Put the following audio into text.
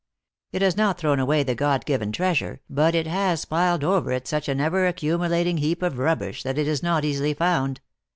It has not thrown away the God given treasure, but it has piled over it such an ever accumulating heap of rubbish that it is not easily found.